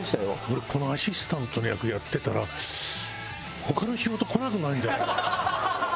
俺このアシスタントの役やってたら他の仕事来なくなるんじゃない？